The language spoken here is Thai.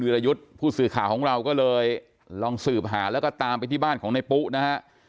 รยุทธ์ผู้สื่อข่าวของเราก็เลยลองสืบหาแล้วก็ตามไปที่บ้านของในปุ๊นะฮะ